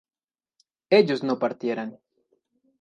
ellos no partieran